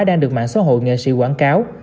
đang được mạng xã hội nghệ sĩ quảng cáo